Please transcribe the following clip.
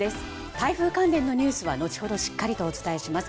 台風関連のニュースは後ほどしっかりとお伝えします。